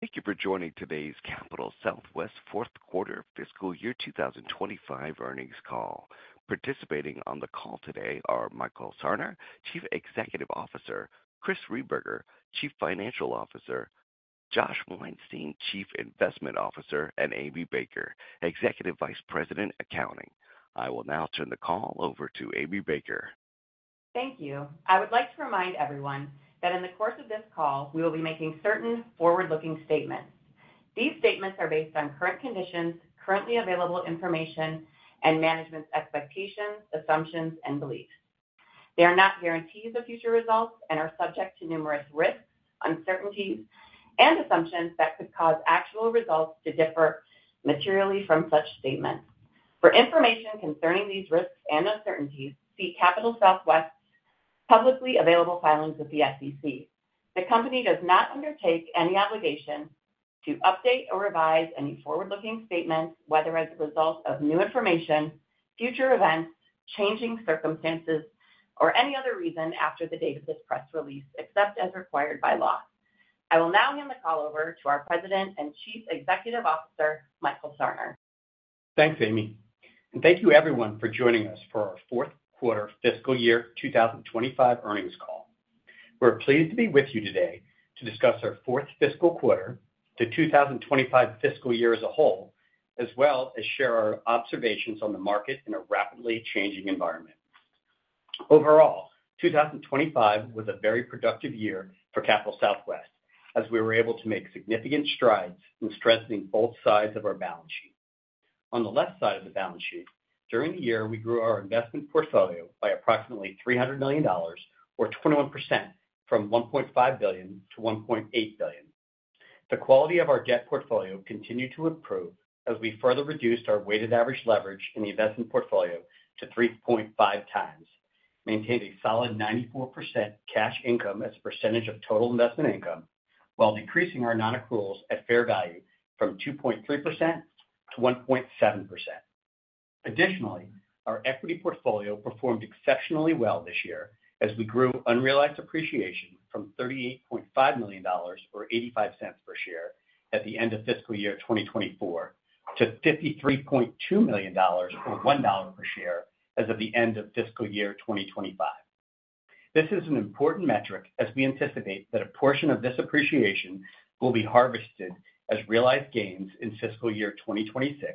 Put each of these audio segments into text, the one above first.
Thank you for joining today's Capital Southwest fourth quarter fiscal year 2025 earnings call. Participating on the call today are Michael Sarner, Chief Executive Officer, Chris Rehberger, Chief Financial Officer, Josh Weinstein, Chief Investment Officer, and Amy Baker, Executive Vice President, Accounting. I will now turn the call over to Amy Baker. Thank you. I would like to remind everyone that in the course of this call, we will be making certain forward-looking statements. These statements are based on current conditions, currently available information, and management's expectations, assumptions, and beliefs. They are not guarantees of future results and are subject to numerous risks, uncertainties, and assumptions that could cause actual results to differ materially from such statements. For information concerning these risks and uncertainties, see Capital Southwest's publicly available filings with the SEC. The company does not undertake any obligation to update or revise any forward-looking statements, whether as a result of new information, future events, changing circumstances, or any other reason after the date of this press release, except as required by law. I will now hand the call over to our President and Chief Executive Officer, Michael Sarner. Thanks, Amy. Thank you, everyone, for joining us for our fourth quarter fiscal year 2025 earnings call. We're pleased to be with you today to discuss our fourth fiscal quarter, the 2025 fiscal year as a whole, as well as share our observations on the market in a rapidly changing environment. Overall, 2025 was a very productive year for Capital Southwest, as we were able to make significant strides in strengthening both sides of our balance sheet. On the left side of the balance sheet, during the year, we grew our investment portfolio by approximately $300 million, or 21%, from $1.5 billion-$1.8 billion. The quality of our debt portfolio continued to improve as we further reduced our weighted average leverage in the investment portfolio to 3.5x, maintained a solid 94% cash income as a percentage of total investment income, while decreasing our non-accruals at fair value from 2.3%-1.7%. Additionally, our equity portfolio performed exceptionally well this year, as we grew unrealized appreciation from $38.5 million, or $0.85 per share, at the end of fiscal year 2024 to $53.2 million, or $1 per share, as of the end of fiscal year 2025. This is an important metric, as we anticipate that a portion of this appreciation will be harvested as realized gains in fiscal year 2026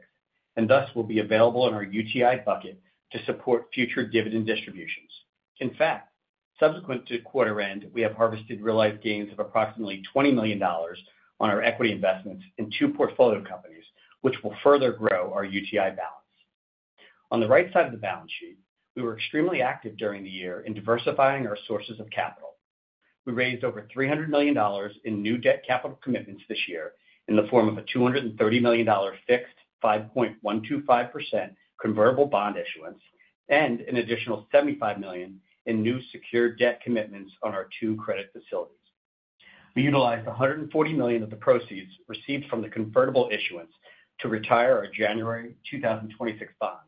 and thus will be available in our UTI bucket to support future dividend distributions. In fact, subsequent to quarter end, we have harvested realized gains of approximately $20 million on our equity investments in two portfolio companies, which will further grow our UTI balance. On the right side of the balance sheet, we were extremely active during the year in diversifying our sources of capital. We raised over $300 million in new debt capital commitments this year in the form of a $230 million fixed 5.125% convertible bond issuance and an additional $75 million in new secured debt commitments on our two credit facilities. We utilized $140 million of the proceeds received from the convertible issuance to retire our January 2026 bonds,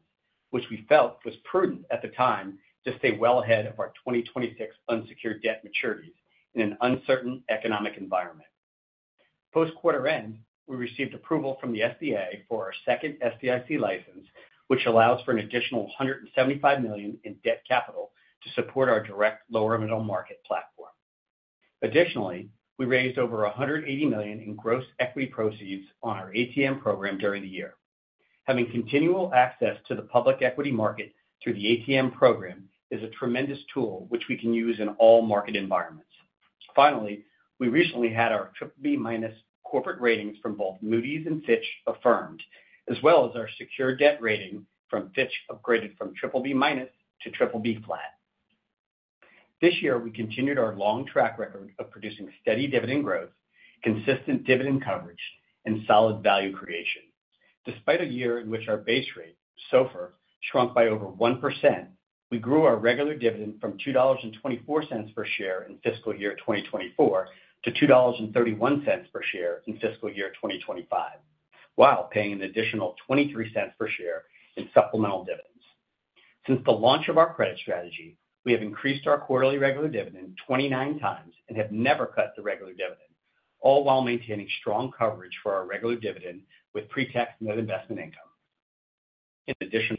which we felt was prudent at the time to stay well ahead of our 2026 unsecured debt maturities in an uncertain economic environment. Post quarter end, we received approval from the SBA for our second SBIC license, which allows for an additional $175 million in debt capital to support our direct lower middle market platform. Additionally, we raised over $180 million in gross equity proceeds on our ATM program during the year. Having continual access to the public equity market through the ATM program is a tremendous tool which we can use in all market environments. Finally, we recently had our BBB- corporate ratings from both Moody's and Fitch affirmed, as well as our secured debt rating from Fitch upgraded from BBB- to BBB+. This year, we continued our long track record of producing steady dividend growth, consistent dividend coverage, and solid value creation. Despite a year in which our base rate, SOFR, shrunk by over 1%, we grew our regular dividend from $2.24 per share in fiscal year 2024 to $2.31 per share in fiscal year 2025, while paying an additional $0.23 per share in supplemental dividends. Since the launch of our credit strategy, we have increased our quarterly regular dividend 29 times and have never cut the regular dividend, all while maintaining strong coverage for our regular dividend with pretax net investment income. In addition,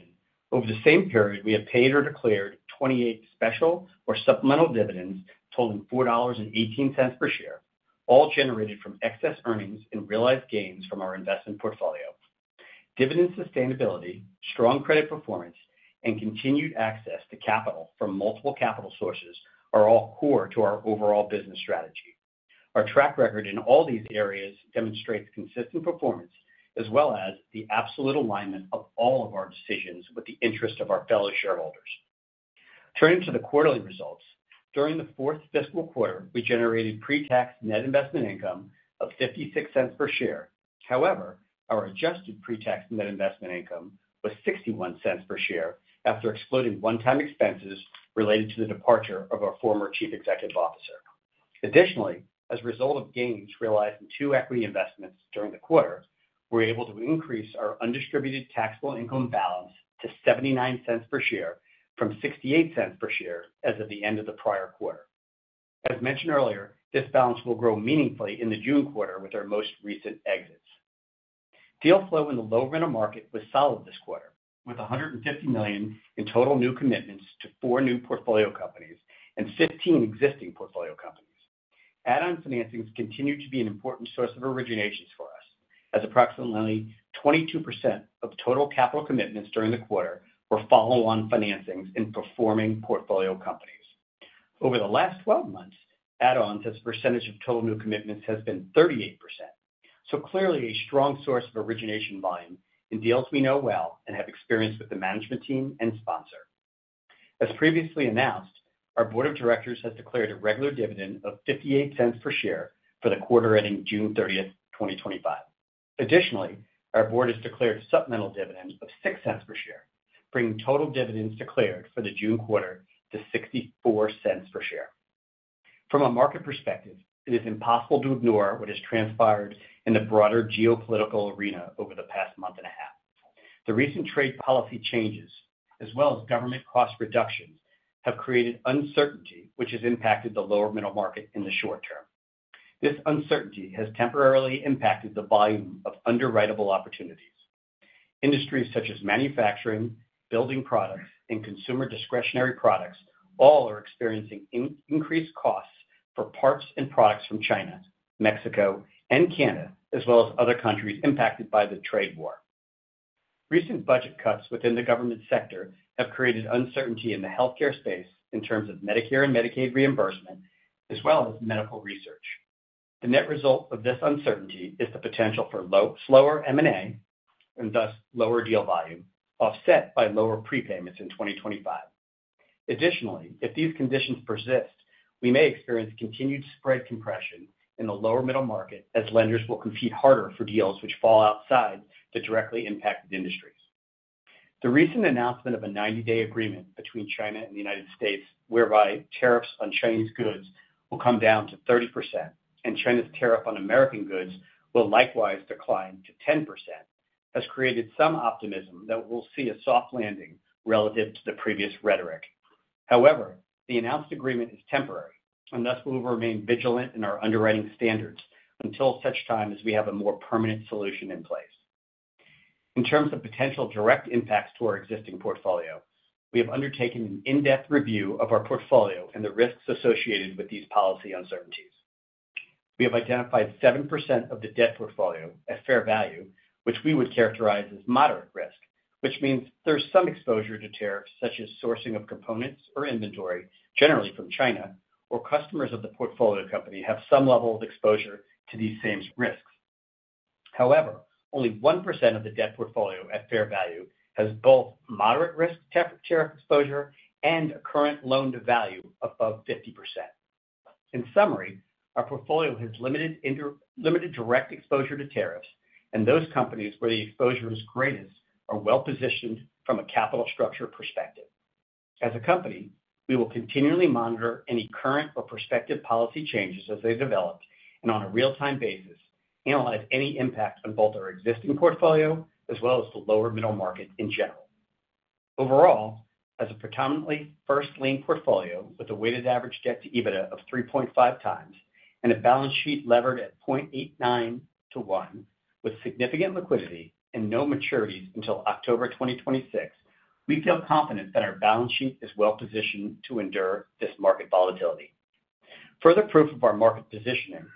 over the same period, we have paid or declared 28 special or supplemental dividends totaling $4.18 per share, all generated from excess earnings and realized gains from our investment portfolio. Dividend sustainability, strong credit performance, and continued access to capital from multiple capital sources are all core to our overall business strategy. Our track record in all these areas demonstrates consistent performance, as well as the absolute alignment of all of our decisions with the interest of our fellow shareholders. Turning to the quarterly results, during the fourth fiscal quarter, we generated pretax net investment income of $0.56 per share. However, our adjusted pretax net investment income was $0.61 per share after excluding one-time expenses related to the departure of our former Chief Executive Officer. Additionally, as a result of gains realized in two equity investments during the quarter, we were able to increase our undistributed taxable income balance to $0.79 per share from $0.68 per share as of the end of the prior quarter. As mentioned earlier, this balance will grow meaningfully in the June quarter with our most recent exits. Deal flow in the lower middle market was solid this quarter, with $150 million in total new commitments to four new portfolio companies and 15 existing portfolio companies. Add-on financings continue to be an important source of originations for us, as approximately 22% of total capital commitments during the quarter were follow-on financings in performing portfolio companies. Over the last 12 months, add-ons as a percentage of total new commitments has been 38%, so clearly a strong source of origination volume in deals we know well and have experience with the management team and sponsor. As previously announced, our Board of Directors has declared a regular dividend of $0.58 per share for the quarter ending June 30th, 2025. Additionally, our Board has declared a supplemental dividend of $0.06 per share, bringing total dividends declared for the June quarter to $0.64 per share. From a market perspective, it is impossible to ignore what has transpired in the broader geopolitical arena over the past month and a half. The recent trade policy changes, as well as government cost reductions, have created uncertainty, which has impacted the lower middle market in the short term. This uncertainty has temporarily impacted the volume of underwritable opportunities. Industries such as manufacturing, building products, and consumer discretionary products all are experiencing increased costs for parts and products from China, Mexico, and Canada, as well as other countries impacted by the trade war. Recent budget cuts within the government sector have created uncertainty in the healthcare space in terms of Medicare and Medicaid reimbursement, as well as medical research. The net result of this uncertainty is the potential for slower M&A and thus lower deal volume, offset by lower prepayments in 2025. Additionally, if these conditions persist, we may experience continued spread compression in the lower middle market, as lenders will compete harder for deals which fall outside the directly impacted industries. The recent announcement of a 90-day agreement between China and the United States, whereby tariffs on Chinese goods will come down to 30%, and China's tariff on American goods will likewise decline to 10%, has created some optimism that we'll see a soft landing relative to the previous rhetoric. However, the announced agreement is temporary, and thus we will remain vigilant in our underwriting standards until such time as we have a more permanent solution in place. In terms of potential direct impacts to our existing portfolio, we have undertaken an in-depth review of our portfolio and the risks associated with these policy uncertainties. We have identified 7% of the debt portfolio at fair value, which we would characterize as moderate risk, which means there's some exposure to tariffs, such as sourcing of components or inventory, generally from China, or customers of the portfolio company have some level of exposure to these same risks. However, only 1% of the debt portfolio at fair value has both moderate risk tariff exposure and current loan-to-value above 50%. In summary, our portfolio has limited direct exposure to tariffs, and those companies where the exposure is greatest are well-positioned from a capital structure perspective. As a company, we will continually monitor any current or prospective policy changes as they develop and, on a real-time basis, analyze any impact on both our existing portfolio as well as the lower middle market in general. Overall, as a predominantly first lien portfolio with a weighted average debt to EBITDA of 3.5x and a balance sheet levered at 0.89 to 1, with significant liquidity and no maturities until October 2026, we feel confident that our balance sheet is well-positioned to endure this market volatility. Further proof of our market positioning: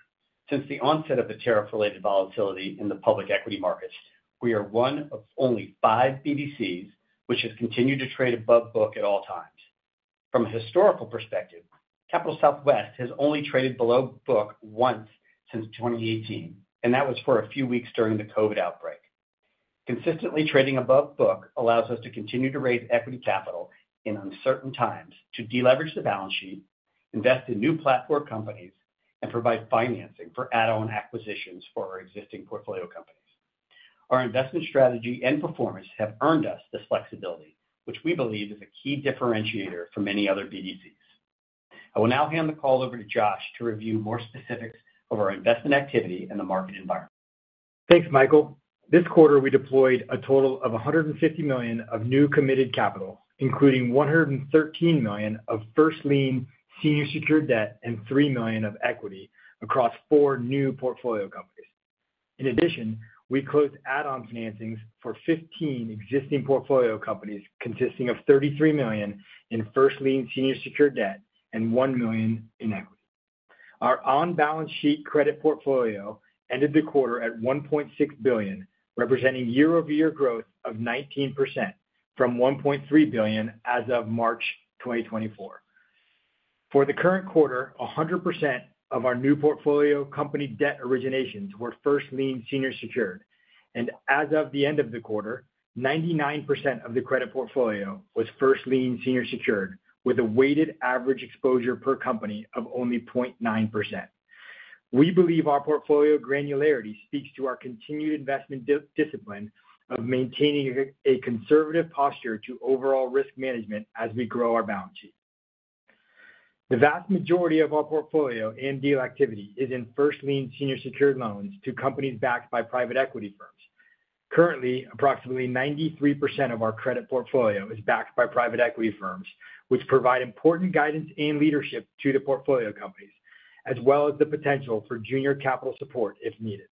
since the onset of the tariff-related volatility in the public equity markets, we are one of only five BDCs which have continued to trade above book at all times. From a historical perspective, Capital Southwest has only traded below book once since 2018, and that was for a few weeks during the COVID outbreak. Consistently trading above book allows us to continue to raise equity capital in uncertain times to deleverage the balance sheet, invest in new platform companies, and provide financing for add-on acquisitions for our existing portfolio companies. Our investment strategy and performance have earned us this flexibility, which we believe is a key differentiator from many other BDCs. I will now hand the call over to Josh to review more specifics of our investment activity and the market environment. Thanks, Michael. This quarter, we deployed a total of $150 million of new committed capital, including $113 million of first lien senior secured debt and $3 million of equity across four new portfolio companies. In addition, we closed add-on financings for 15 existing portfolio companies consisting of $33 million in first lien senior secured debt and $1 million in equity. Our on-balance sheet credit portfolio ended the quarter at $1.6 billion, representing year-over-year growth of 19% from $1.3 billion as of March 2024. For the current quarter, 100% of our new portfolio company debt originations were first lien senior secured, and as of the end of the quarter, 99% of the credit portfolio was first lien senior secured, with a weighted average exposure per company of only 0.9%. We believe our portfolio granularity speaks to our continued investment discipline of maintaining a conservative posture to overall risk management as we grow our balance sheet. The vast majority of our portfolio and deal activity is in first lien senior secured loans to companies backed by private equity firms. Currently, approximately 93% of our credit portfolio is backed by private equity firms, which provide important guidance and leadership to the portfolio companies, as well as the potential for junior capital support if needed.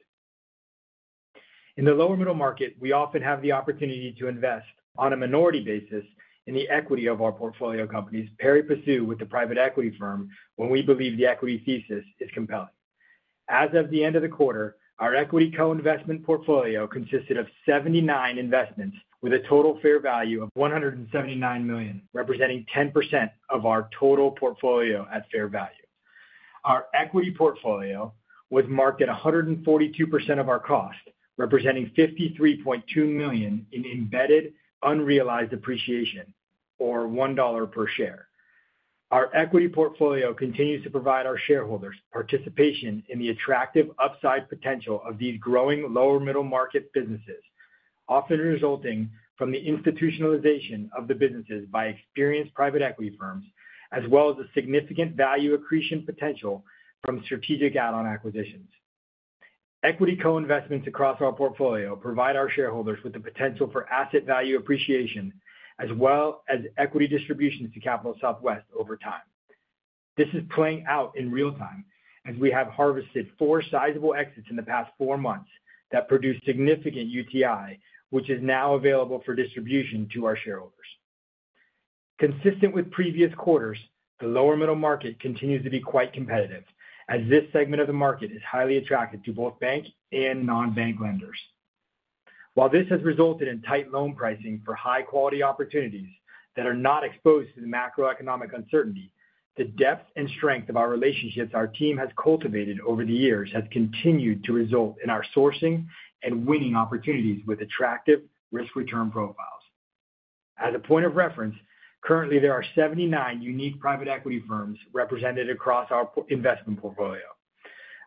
In the lower middle market, we often have the opportunity to invest on a minority basis in the equity of our portfolio companies pari passu with the private equity firm when we believe the equity thesis is compelling. As of the end of the quarter, our equity co-investment portfolio consisted of 79 investments with a total fair value of $179 million, representing 10% of our total portfolio at fair value. Our equity portfolio was marked at 142% of our cost, representing $53.2 million in embedded unrealized appreciation, or $1 per share. Our equity portfolio continues to provide our shareholders participation in the attractive upside potential of these growing lower middle market businesses, often resulting from the institutionalization of the businesses by experienced private equity firms, as well as a significant value accretion potential from strategic add-on acquisitions. Equity co-investments across our portfolio provide our shareholders with the potential for asset value appreciation, as well as equity distributions to Capital Southwest over time. This is playing out in real time as we have harvested four sizable exits in the past four months that produced significant UTI, which is now available for distribution to our shareholders. Consistent with previous quarters, the lower middle market continues to be quite competitive, as this segment of the market is highly attracted to both bank and non-bank lenders. While this has resulted in tight loan pricing for high-quality opportunities that are not exposed to the macroeconomic uncertainty, the depth and strength of our relationships our team has cultivated over the years has continued to result in our sourcing and winning opportunities with attractive risk-return profiles. As a point of reference, currently, there are 79 unique private equity firms represented across our investment portfolio.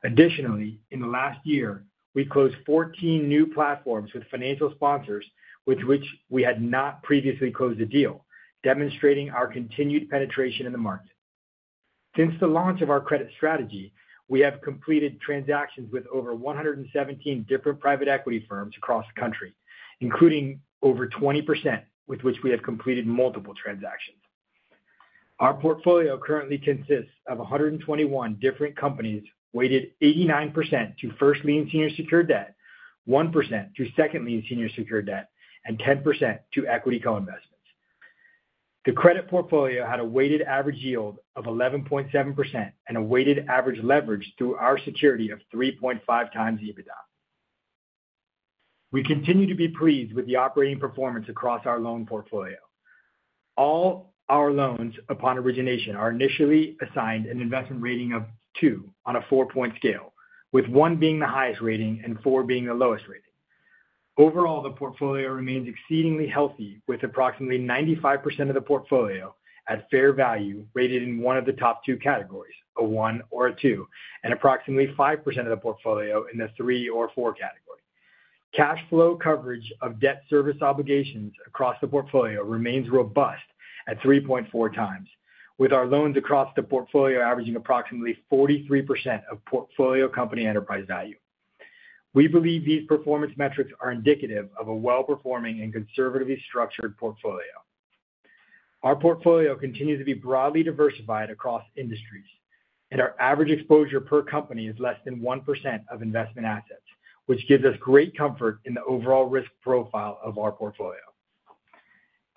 Additionally, in the last year, we closed 14 new platforms with financial sponsors with which we had not previously closed a deal, demonstrating our continued penetration in the market. Since the launch of our credit strategy, we have completed transactions with over 117 different private equity firms across the country, including over 20% with which we have completed multiple transactions. Our portfolio currently consists of 121 different companies weighted 89% to first lien senior secured debt, 1% to second lien senior secured debt, and 10% to equity co-investments. The credit portfolio had a weighted average yield of 11.7% and a weighted average leverage through our security of 3.5x EBITDA. We continue to be pleased with the operating performance across our loan portfolio. All our loans upon origination are initially assigned an investment rating of 2 on a four-point scale, with 1 being the highest rating and 4 being the lowest rating. Overall, the portfolio remains exceedingly healthy, with approximately 95% of the portfolio at fair value rated in one of the top two categories, a 1 or a 2, and approximately 5% of the portfolio in the 3 or 4 category. Cash flow coverage of debt service obligations across the portfolio remains robust at 3.4x, with our loans across the portfolio averaging approximately 43% of portfolio company enterprise value. We believe these performance metrics are indicative of a well-performing and conservatively structured portfolio. Our portfolio continues to be broadly diversified across industries, and our average exposure per company is less than 1% of investment assets, which gives us great comfort in the overall risk profile of our portfolio.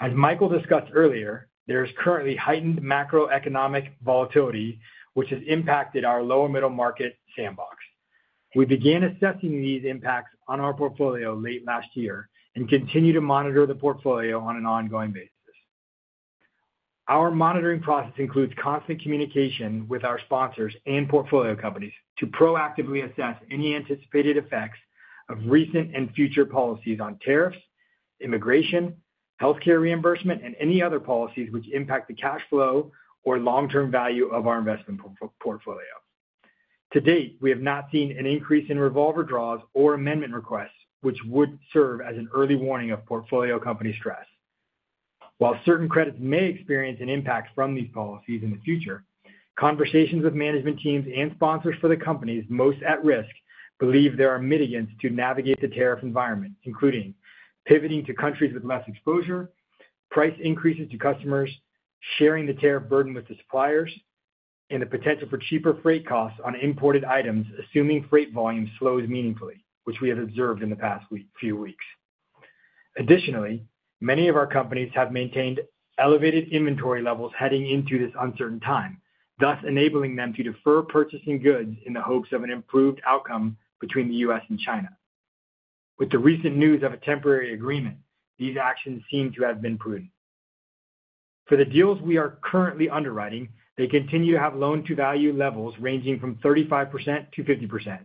As Michael discussed earlier, there is currently heightened macroeconomic volatility, which has impacted our lower middle market sandbox. We began assessing these impacts on our portfolio late last year and continue to monitor the portfolio on an ongoing basis. Our monitoring process includes constant communication with our sponsors and portfolio companies to proactively assess any anticipated effects of recent and future policies on tariffs, immigration, healthcare reimbursement, and any other policies which impact the cash flow or long-term value of our investment portfolio. To date, we have not seen an increase in revolver draws or amendment requests, which would serve as an early warning of portfolio company stress. While certain credits may experience an impact from these policies in the future, conversations with management teams and sponsors for the companies most at risk believe there are mitigants to navigate the tariff environment, including pivoting to countries with less exposure, price increases to customers, sharing the tariff burden with the suppliers, and the potential for cheaper freight costs on imported items, assuming freight volume slows meaningfully, which we have observed in the past few weeks. Additionally, many of our companies have maintained elevated inventory levels heading into this uncertain time, thus enabling them to defer purchasing goods in the hopes of an improved outcome between the U.S. and China. With the recent news of a temporary agreement, these actions seem to have been prudent. For the deals we are currently underwriting, they continue to have loan-to-value levels ranging from 35%-50%,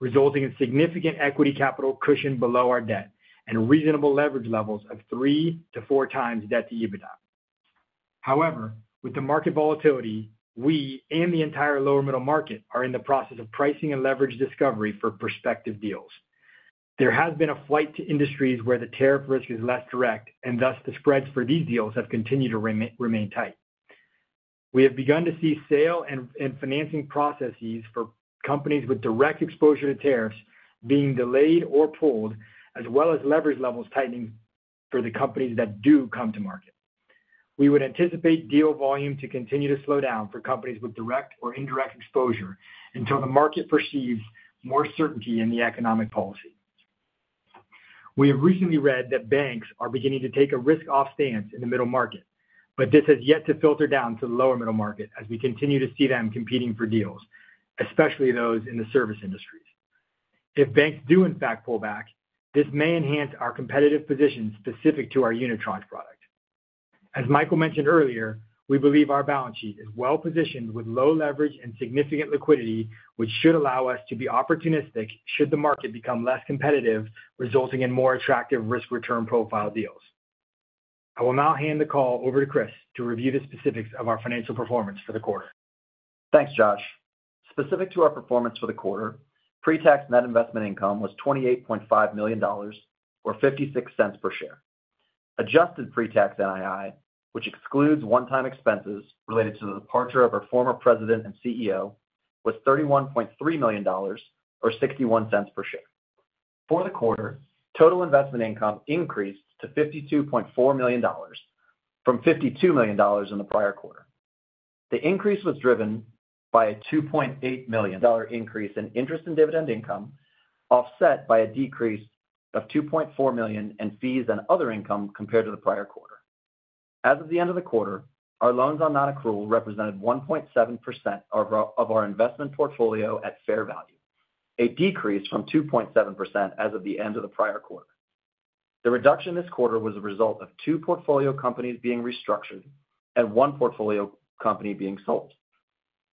resulting in significant equity capital cushion below our debt and reasonable leverage levels of three to four times debt to EBITDA. However, with the market volatility, we and the entire lower middle market are in the process of pricing and leverage discovery for prospective deals. There has been a flight to industries where the tariff risk is less direct, and thus the spreads for these deals have continued to remain tight. We have begun to see sale and financing processes for companies with direct exposure to tariffs being delayed or pulled, as well as leverage levels tightening for the companies that do come to market. We would anticipate deal volume to continue to slow down for companies with direct or indirect exposure until the market perceives more certainty in the economic policy. We have recently read that banks are beginning to take a risk-off stance in the middle market, but this has yet to filter down to the lower middle market as we continue to see them competing for deals, especially those in the service industries. If banks do, in fact, pull back, this may enhance our competitive position specific to our unitron product. As Michael mentioned earlier, we believe our balance sheet is well-positioned with low leverage and significant liquidity, which should allow us to be opportunistic should the market become less competitive, resulting in more attractive risk-return profile deals. I will now hand the call over to Chris to review the specifics of our financial performance for the quarter. Thanks, Josh. Specific to our performance for the quarter, pre-tax net investment income was $28.5 million, or $0.56 per share. Adjusted pre-tax NII, which excludes one-time expenses related to the departure of our former President and CEO, was $31.3 million, or $0.61 per share. For the quarter, total investment income increased to $52.4 million, from $52 million in the prior quarter. The increase was driven by a $2.8 million increase in interest and dividend income, offset by a decrease of $2.4 million in fees and other income compared to the prior quarter. As of the end of the quarter, our loans on non-accrual represented 1.7% of our investment portfolio at fair value, a decrease from 2.7% as of the end of the prior quarter. The reduction this quarter was a result of two portfolio companies being restructured and one portfolio company being sold.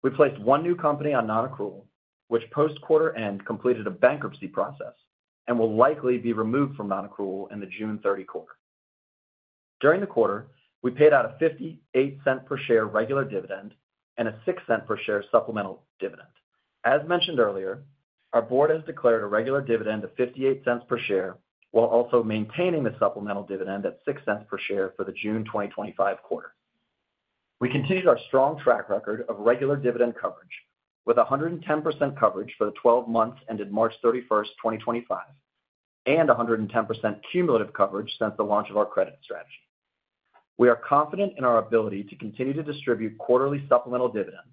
We placed one new company on non-accrual, which post-quarter-end completed a bankruptcy process and will likely be removed from non-accrual in the June 30 quarter. During the quarter, we paid out a $0.58 per share regular dividend and a $0.06 per share supplemental dividend. As mentioned earlier, our board has declared a regular dividend of $0.58 per share while also maintaining the supplemental dividend at $0.06 per share for the June 2025 quarter. We continued our strong track record of regular dividend coverage, with 110% coverage for the 12 months ended March 31st, 2025, and 110% cumulative coverage since the launch of our credit strategy. We are confident in our ability to continue to distribute quarterly supplemental dividends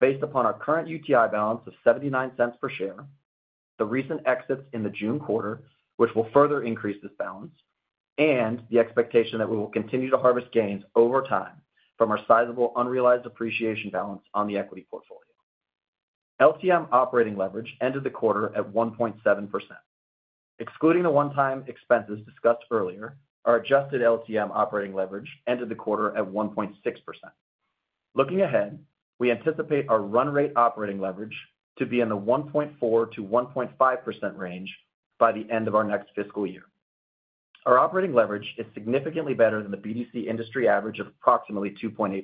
based upon our current UTI balance of $0.79 per share, the recent exits in the June quarter, which will further increase this balance, and the expectation that we will continue to harvest gains over time from our sizable unrealized appreciation balance on the equity portfolio. LTM operating leverage ended the quarter at 1.7%. Excluding the one-time expenses discussed earlier, our adjusted LTM operating leverage ended the quarter at 1.6%. Looking ahead, we anticipate our run-rate operating leverage to be in the 1.4%-1.5% range by the end of our next fiscal year. Our operating leverage is significantly better than the BDC industry average of approximately 2.8%.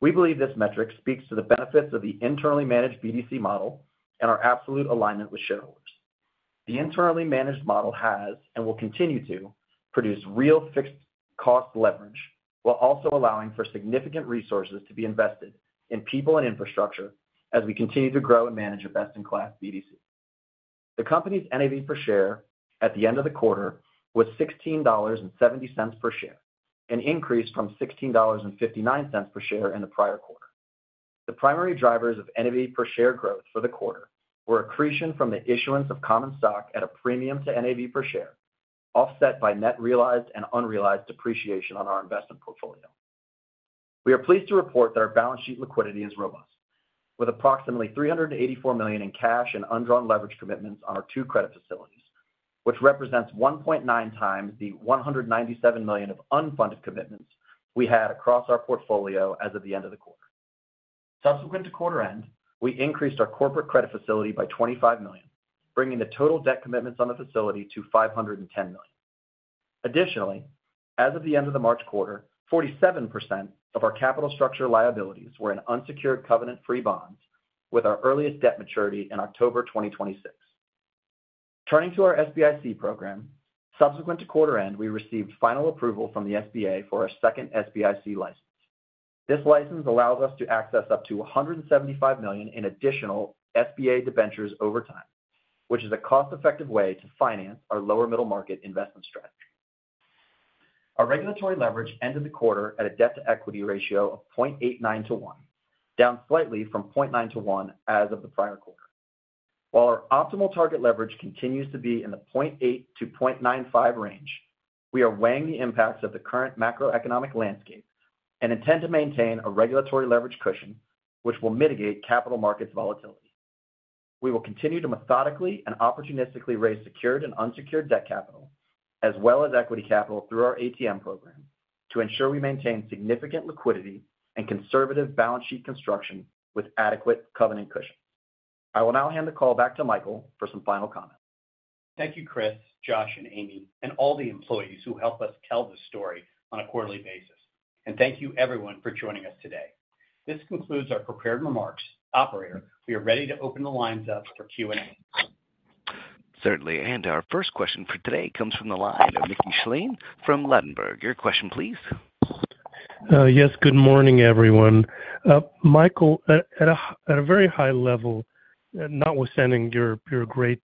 We believe this metric speaks to the benefits of the internally managed BDC model and our absolute alignment with shareholders. The internally managed model has and will continue to produce real fixed cost leverage while also allowing for significant resources to be invested in people and infrastructure as we continue to grow and manage a best-in-class BDC. The company's NAV per share at the end of the quarter was $16.70 per share, an increase from $16.59 per share in the prior quarter. The primary drivers of NAV per share growth for the quarter were accretion from the issuance of common stock at a premium to NAV per share, offset by net realized and unrealized depreciation on our investment portfolio. We are pleased to report that our balance sheet liquidity is robust, with approximately $384 million in cash and undrawn leverage commitments on our two credit facilities, which represents 1.9x the $197 million of unfunded commitments we had across our portfolio as of the end of the quarter. Subsequent to quarter-end, we increased our corporate credit facility by $25 million, bringing the total debt commitments on the facility to $510 million. Additionally, as of the end of the March quarter, 47% of our capital structure liabilities were in unsecured covenant-free bonds, with our earliest debt maturity in October 2026. Turning to our SBIC program, subsequent to quarter-end, we received final approval from the SBA for our second SBIC license. This license allows us to access up to $175 million in additional SBA debentures over time, which is a cost-effective way to finance our lower middle market investment strategy. Our regulatory leverage ended the quarter at a debt-to-equity ratio of 0.89 to 1, down slightly from 0.9 to 1 as of the prior quarter. While our optimal target leverage continues to be in the 0.8-0.95 range, we are weighing the impacts of the current macroeconomic landscape and intend to maintain a regulatory leverage cushion, which will mitigate capital markets volatility. We will continue to methodically and opportunistically raise secured and unsecured debt capital, as well as equity capital through our ATM program, to ensure we maintain significant liquidity and conservative balance sheet construction with adequate covenant cushions. I will now hand the call back to Michael for some final comments. Thank you, Chris, Josh, and Amy, and all the employees who help us tell this story on a quarterly basis. Thank you, everyone, for joining us today. This concludes our prepared remarks. Operator, we are ready to open the lines up for Q&A. Certainly. Our first question for today comes from the line of Mickey Schleien from Ladenburg. Your question, please. Yes. Good morning, everyone. Michael, at a very high level, notwithstanding your great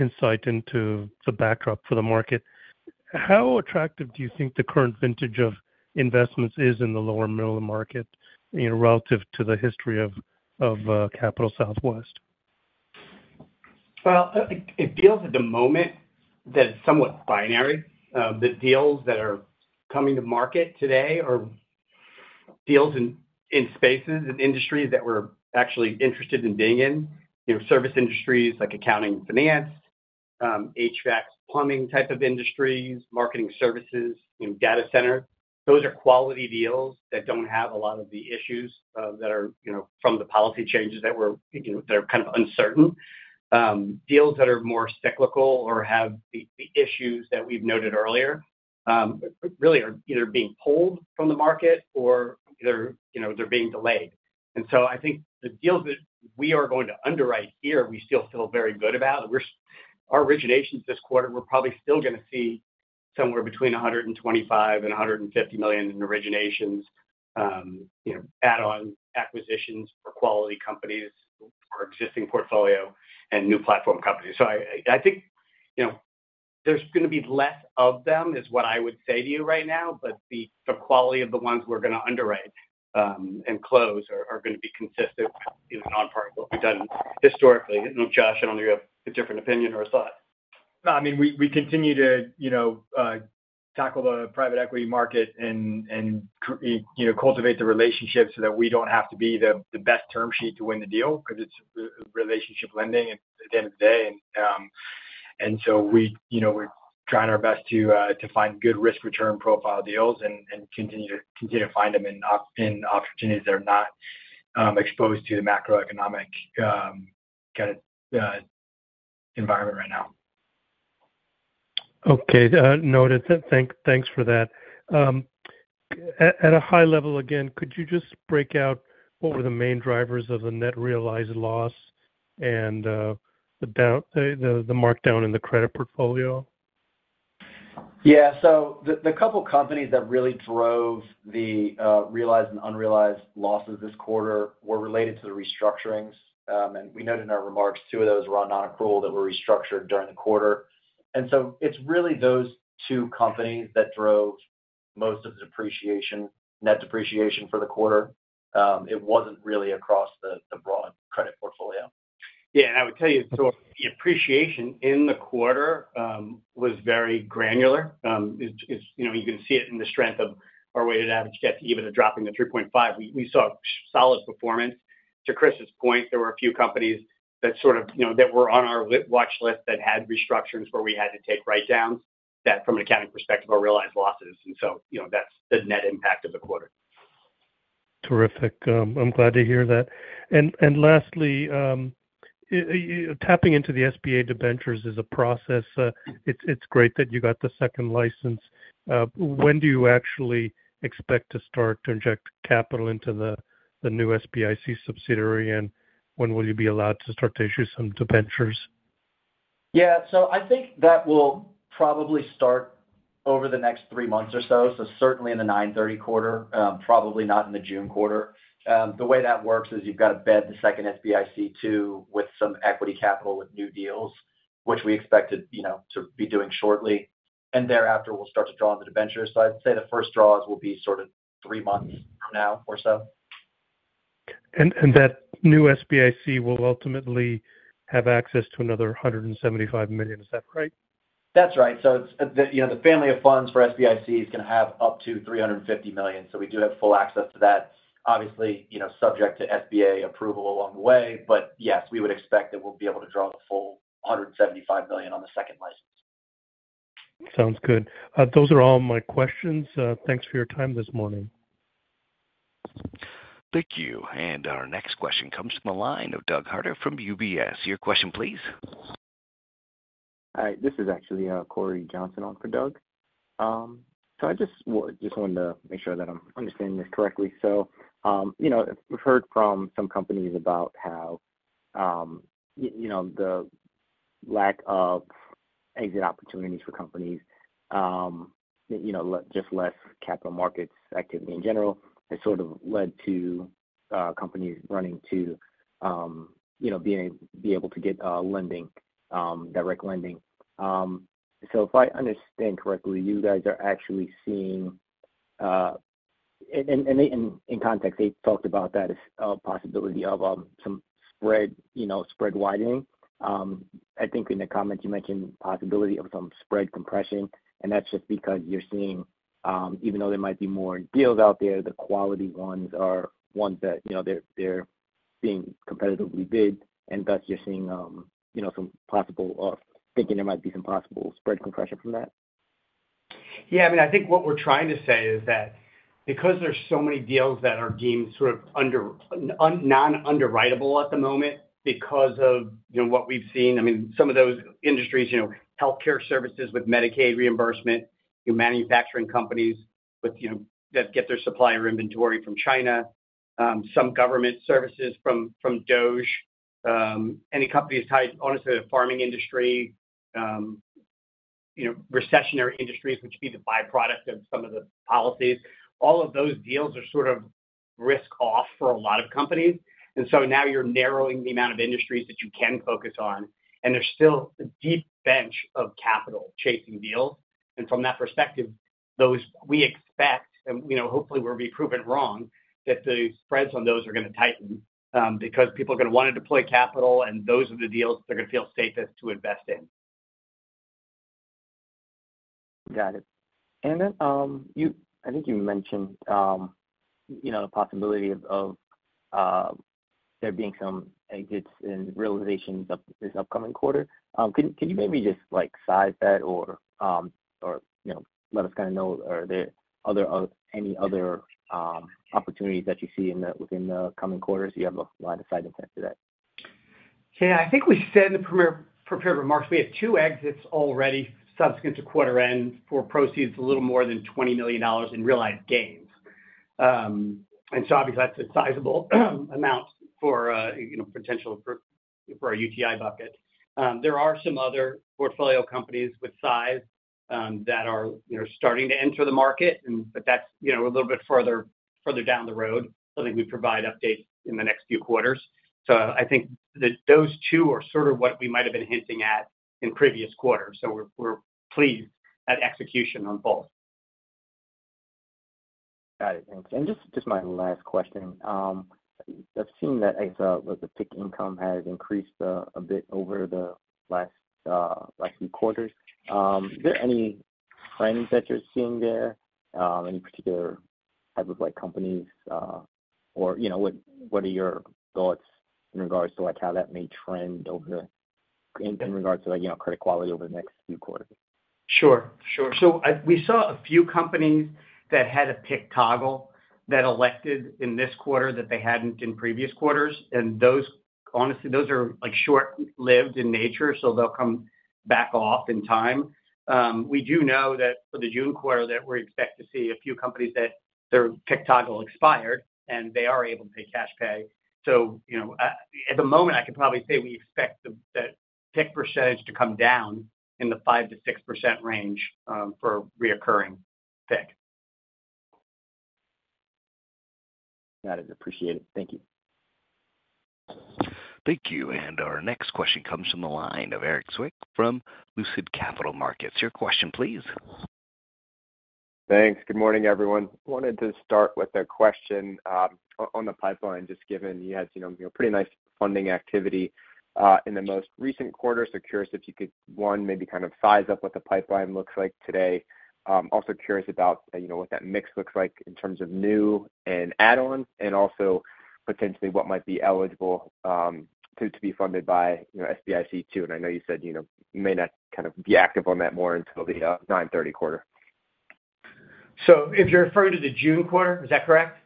insight into the backdrop for the market, how attractive do you think the current vintage of investments is in the lower middle market relative to the history of Capital Southwest? It feels at the moment that it's somewhat binary. The deals that are coming to market today are deals in spaces and industries that we're actually interested in being in: service industries like accounting and finance, HVAC, plumbing type of industries, marketing services, data centers. Those are quality deals that don't have a lot of the issues that are from the policy changes that are kind of uncertain. Deals that are more cyclical or have the issues that we've noted earlier really are either being pulled from the market or they're being delayed. I think the deals that we are going to underwrite here, we still feel very good about. Our originations this quarter, we're probably still going to see somewhere between $125 million and $150 million in originations, add-on acquisitions for quality companies, our existing portfolio, and new platform companies. I think there's going to be less of them, is what I would say to you right now, but the quality of the ones we're going to underwrite and close are going to be consistent with what we've done historically. Josh, I don't know if you have a different opinion or a thought. I mean, we continue to tackle the private equity market and cultivate the relationship so that we do not have to be the best term sheet to win the deal because it is relationship lending at the end of the day. We are trying our best to find good risk-return profile deals and continue to find them in opportunities that are not exposed to the macroeconomic kind of environment right now. Okay. Noted. Thanks for that. At a high level, again, could you just break out what were the main drivers of the net realized loss and the markdown in the credit portfolio? Yeah. The couple of companies that really drove the realized and unrealized losses this quarter were related to the restructurings. We noted in our remarks, two of those were on non-accrual that were restructured during the quarter. It is really those two companies that drove most of the depreciation, net depreciation for the quarter. It was not really across the broad credit portfolio. Yeah. I would tell you, the appreciation in the quarter was very granular. You can see it in the strength of our weighted average debt to EBITDA dropping to 3.5. We saw solid performance. To Chris's point, there were a few companies that were on our watch list that had restructurings where we had to take write-downs that, from an accounting perspective, are realized losses. That is the net impact of the quarter. Terrific. I'm glad to hear that. Lastly, tapping into the SBA debentures is a process. It's great that you got the second license. When do you actually expect to start to inject capital into the new SBIC subsidiary, and when will you be allowed to start to issue some debentures? Yeah. I think that will probably start over the next three months or so, certainly in the 9/30 quarter, probably not in the June quarter. The way that works is you've got to bed the second SBIC too with some equity capital with new deals, which we expect to be doing shortly. Thereafter, we'll start to draw on the debentures. I'd say the first draws will be sort of three months from now or so. That new SBIC will ultimately have access to another $175 million. Is that right? That's right. The family of funds for SBIC is going to have up to $350 million. We do have full access to that, obviously subject to SBA approval along the way. Yes, we would expect that we'll be able to draw the full $175 million on the second license. Sounds good. Those are all my questions. Thanks for your time this morning. Thank you. Our next question comes from the line of Doug Harter from UBS. Your question, please. Hi. This is actually Cory Johnson on for Doug. I just wanted to make sure that I'm understanding this correctly. We've heard from some companies about how the lack of exit opportunities for companies, just less capital markets activity in general, has sort of led to companies running to be able to get lending, direct lending. If I understand correctly, you guys are actually seeing—and in context, they talked about that as a possibility of some spread widening. I think in the comments, you mentioned the possibility of some spread compression. That's just because you're seeing, even though there might be more deals out there, the quality ones are ones that they're being competitively bid. Thus, you're seeing some possible—or thinking there might be some possible spread compression from that. Yeah. I mean, I think what we're trying to say is that because there's so many deals that are deemed sort of non-underwritable at the moment because of what we've seen, I mean, some of those industries, healthcare services with Medicaid reimbursement, manufacturing companies that get their supplier inventory from China, some government services from DOGE, any companies tied, honestly, to the farming industry, recessionary industries, which would be the byproduct of some of the policies, all of those deals are sort of risk-off for a lot of companies. Now you're narrowing the amount of industries that you can focus on. There's still a deep bench of capital chasing deals. From that perspective, we expect—and hopefully, we'll be proven wrong—that the spreads on those are going to tighten because people are going to want to deploy capital, and those are the deals that they're going to feel safest to invest in. Got it. I think you mentioned the possibility of there being some exits and realizations this upcoming quarter. Can you maybe just size that or let us kind of know, are there any other opportunities that you see within the coming quarter? You have a line of sight into that. Yeah. I think we said in the prepared remarks, we have two exits already subsequent to quarter-end for proceeds, a little more than $20 million in realized gains. Obviously, that's a sizable amount for potential for our UTI bucket. There are some other portfolio companies with size that are starting to enter the market, but that's a little bit further down the road. I think we provide updates in the next few quarters. I think that those two are sort of what we might have been hinting at in previous quarters. We're pleased at execution on both. Got it. Thanks. Just my last question. I've seen that I saw the PIK income has increased a bit over the last few quarters. Is there any trends that you're seeing there? Any particular type of companies? What are your thoughts in regards to how that may trend over in regards to credit quality over the next few quarters? Sure. Sure. We saw a few companies that had a PIK toggle that elected in this quarter that they had not in previous quarters. Honestly, those are short-lived in nature, so they will come back off in time. We do know that for the June quarter, we expect to see a few companies that their PIK toggle expired, and they are able to pay cash pay. At the moment, I could probably say we expect the PIK percentage to come down in the 5%-6% range for reoccurring PIK. Got it. Appreciate it. Thank you. Thank you. Our next question comes from the line of Erik Zwick from Lucid Capital Markets. Your question, please. Thanks. Good morning, everyone. Wanted to start with a question on the pipeline, just given you had some pretty nice funding activity in the most recent quarter. Curious if you could, one, maybe kind of size up what the pipeline looks like today. Also curious about what that mix looks like in terms of new and add-ons, and also potentially what might be eligible to be funded by SBIC too. I know you said you may not kind of be active on that more until the 9/30 quarter. If you're referring to the June quarter, is that correct?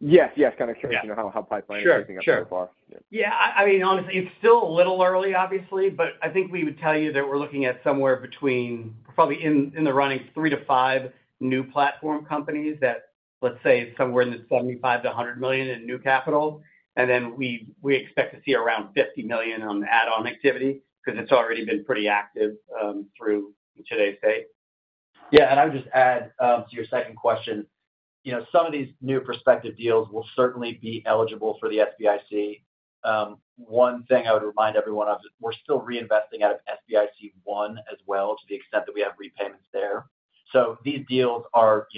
Yes. Yes. Kind of curious how pipeline is looking up so far? Sure. Yeah. I mean, honestly, it's still a little early, obviously, but I think we would tell you that we're looking at somewhere between probably in the running three to five new platform companies that, let's say, somewhere in the $75 million-$100 million in new capital. And then we expect to see around $50 million on add-on activity because it's already been pretty active through today's date. Yeah. I would just add to your second question, some of these new prospective deals will certainly be eligible for the SBIC. One thing I would remind everyone of is we're still reinvesting out of SBIC One as well to the extent that we have repayments there. These deals are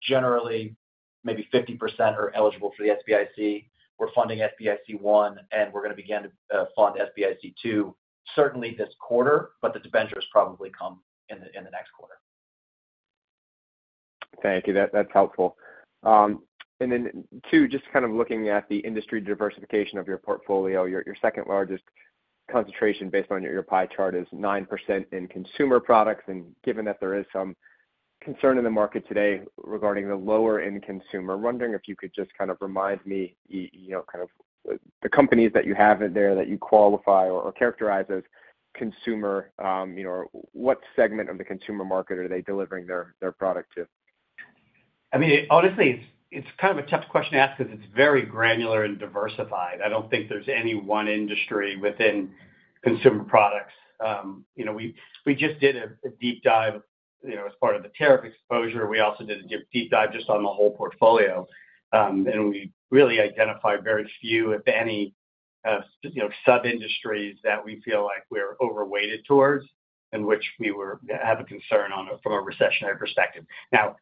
generally maybe 50% are eligible for the SBIC. We're funding SBIC One, and we're going to begin to fund SBIC Two certainly this quarter, but the debentures probably come in the next quarter. Thank you. That's helpful. Two, just kind of looking at the industry diversification of your portfolio, your second largest concentration based on your pie chart is 9% in consumer products. Given that there is some concern in the market today regarding the lower-end consumer, wondering if you could just kind of remind me the companies that you have in there that you qualify or characterize as consumer. What segment of the consumer market are they delivering their product to? I mean, honestly, it's kind of a tough question to ask because it's very granular and diversified. I don't think there's any one industry within consumer products. We just did a deep dive as part of the tariff exposure. We also did a deep dive just on the whole portfolio. We really identified very few, if any, sub-industries that we feel like we're overweighted towards and which we have a concern from a recessionary perspective. That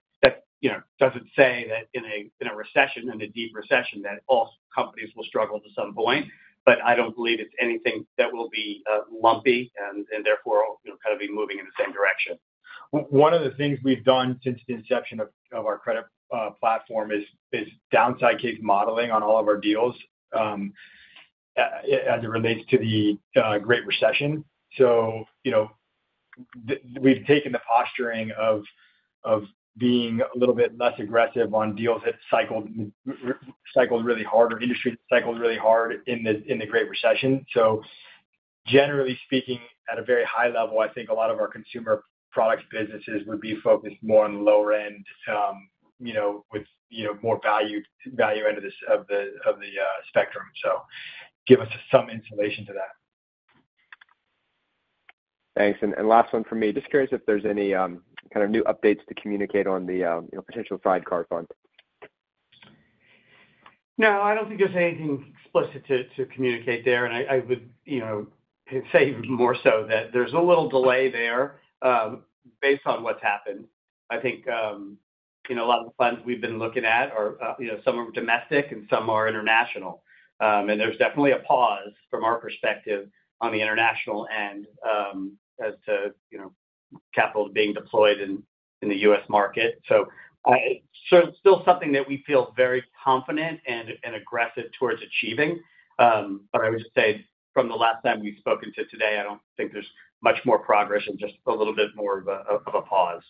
doesn't say that in a recession, in a deep recession, all companies will struggle to some point. I don't believe it's anything that will be lumpy and therefore kind of be moving in the same direction. One of the things we've done since the inception of our credit platform is downside case modeling on all of our deals as it relates to the Great Recession. We have taken the posturing of being a little bit less aggressive on deals that cycled really hard or industries that cycled really hard in the Great Recession. Generally speaking, at a very high level, I think a lot of our consumer products businesses would be focused more on the lower end with more value end of the spectrum. That gives us some insulation to that. Thanks. Last one for me. Just curious if there's any kind of new updates to communicate on the potential sidecar fund. No, I do not think there is anything explicit to communicate there. I would say more so that there is a little delay there based on what has happened. I think a lot of the funds we have been looking at are some are domestic and some are international. There is definitely a pause from our perspective on the international end as to capital being deployed in the U.S. market. It is still something that we feel very confident and aggressive towards achieving. I would just say from the last time we have spoken to today, I do not think there is much more progress and just a little bit more of a pause.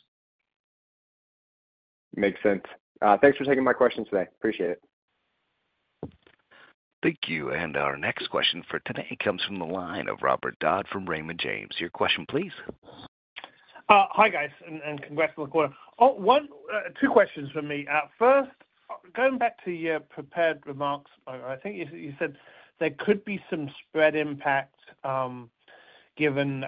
Makes sense. Thanks for taking my questions today. Appreciate it. Thank you. Our next question for today comes from the line of Robert Dodd from Raymond James. Your question, please. Hi, guys. And congrats on the quarter. Two questions for me. First, going back to your prepared remarks, I think you said there could be some spread impact given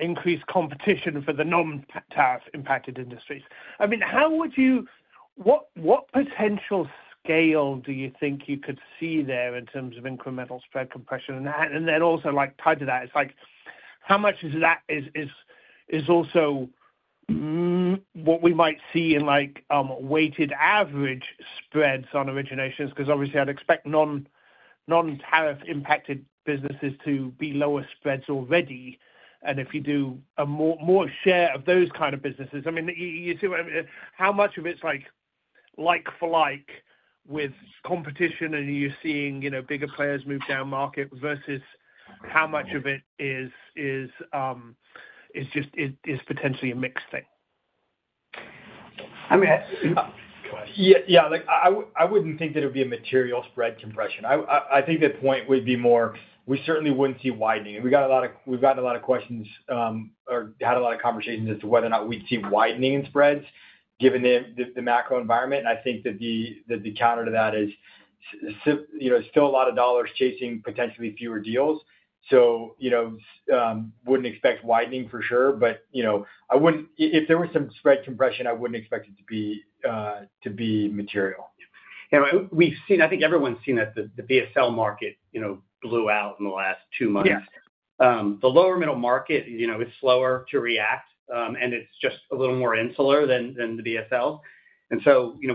increased competition for the non-tariff impacted industries. I mean, how would you—what potential scale do you think you could see there in terms of incremental spread compression? And then also tied to that, it's like how much of that is also what we might see in weighted average spreads on originations? Because obviously, I'd expect non-tariff impacted businesses to be lower spreads already. And if you do a more share of those kind of businesses, I mean, you see how much of it's like for like with competition, and you're seeing bigger players move down market versus how much of it is just potentially a mixed thing? I mean. Go ahead. Yeah. I wouldn't think that it would be a material spread compression. I think the point would be more we certainly wouldn't see widening. We've gotten a lot of questions or had a lot of conversations as to whether or not we'd see widening in spreads given the macro environment. I think that the counter to that is still a lot of dollars chasing potentially fewer deals. Wouldn't expect widening for sure. If there was some spread compression, I wouldn't expect it to be material. I think everyone's seen that the BSL market blew out in the last two months. The lower middle market is slower to react, and it's just a little more insular than the BSLs.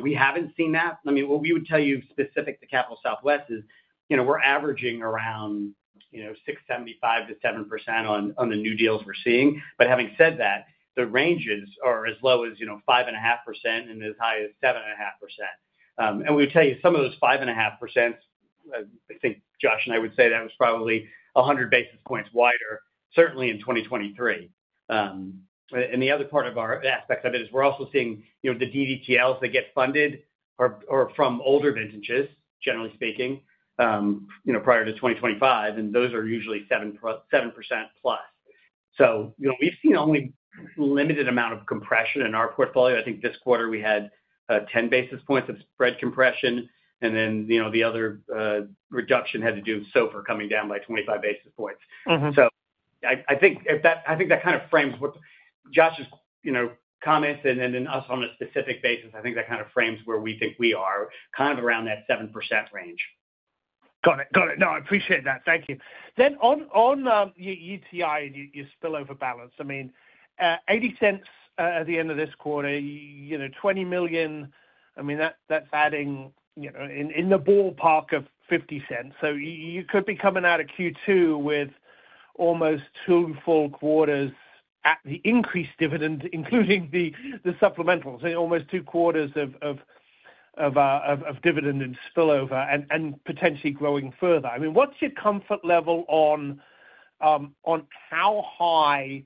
We haven't seen that. I mean, what we would tell you specific to Capital Southwest is we're averaging around 6.75%-7% on the new deals we're seeing. Having said that, the ranges are as low as 5.5% and as high as 7.5%. We would tell you some of those 5.5%, I think Josh and I would say that was probably 100 basis points wider, certainly in 2023. The other part of our aspect of it is we're also seeing the DDTLs that get funded are from older vintages, generally speaking, prior to 2025. Those are usually 7%+. We have seen only a limited amount of compression in our portfolio. I think this quarter we had 10 basis points of spread compression. The other reduction had to do with SOFR coming down by 25 basis points. I think that kind of frames what Josh's comments and then us on a specific basis. I think that kind of frames where we think we are, kind of around that 7% range. Got it. Got it. No, I appreciate that. Thank you. On UTI, your spillover balance, I mean, $0.80 at the end of this quarter, $20 million, I mean, that's adding in the ballpark of $0.50. You could be coming out of Q2 with almost two full quarters at the increased dividend, including the supplementals, almost two quarters of dividend and spillover and potentially growing further. I mean, what's your comfort level on how high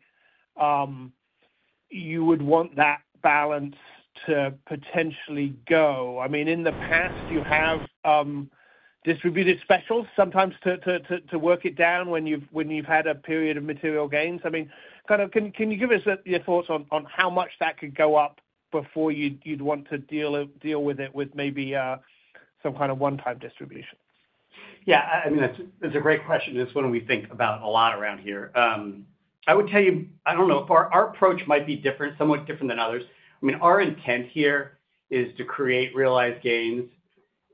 you would want that balance to potentially go? In the past, you have distributed specials sometimes to work it down when you've had a period of material gains. Can you give us your thoughts on how much that could go up before you'd want to deal with it with maybe some kind of one-time distribution? Yeah. I mean, that's a great question. It's one we think about a lot around here. I would tell you, I don't know, our approach might be somewhat different than others. I mean, our intent here is to create realized gains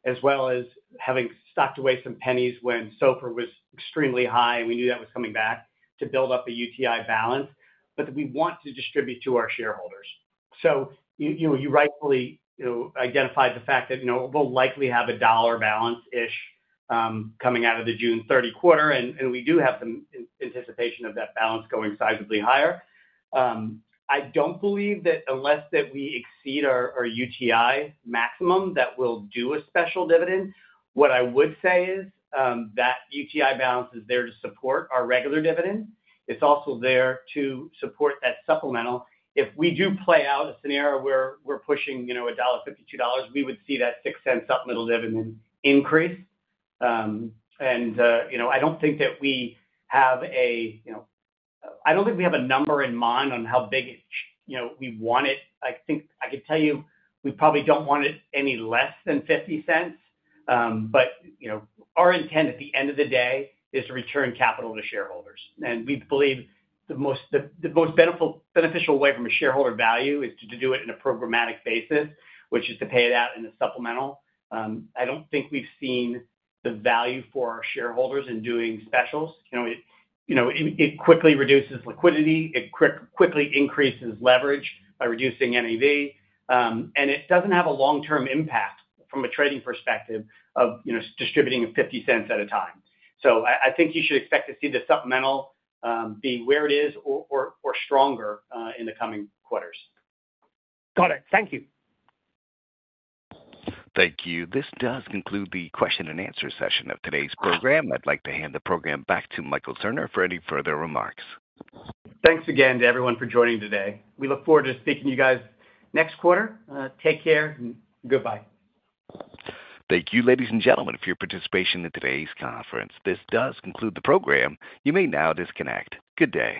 as well as having stocked away some pennies when SOFR was extremely high, and we knew that was coming back to build up a UTI balance, but that we want to distribute to our shareholders. You rightfully identified the fact that we'll likely have a dollar balance-ish coming out of the June 30 quarter. We do have some anticipation of that balance going sizably higher. I don't believe that unless we exceed our UTI maximum that we'll do a special dividend. What I would say is that UTI balance is there to support our regular dividend. It's also there to support that supplemental. If we do play out a scenario where we're pushing $1.52, we would see that 6 cents supplemental dividend increase. I don't think that we have a—I don't think we have a number in mind on how big we want it. I think I could tell you we probably don't want it any less than 50 cents. Our intent at the end of the day is to return capital to shareholders. We believe the most beneficial way from a shareholder value is to do it in a programmatic basis, which is to pay it out in a supplemental. I don't think we've seen the value for our shareholders in doing specials. It quickly reduces liquidity. It quickly increases leverage by reducing NAV. It doesn't have a long-term impact from a trading perspective of distributing 50 cents at a time. I think you should expect to see the supplemental be where it is or stronger in the coming quarters. Got it. Thank you. Thank you. This does conclude the question and answer session of today's program. I'd like to hand the program back to Michael Sarner for any further remarks. Thanks again to everyone for joining today. We look forward to speaking to you guys next quarter. Take care and goodbye. Thank you, ladies and gentlemen, for your participation in today's conference. This does conclude the program. You may now disconnect. Good day.